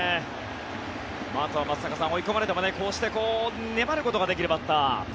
あとは松坂さん追い込まれてもこうして粘ることができるバッター。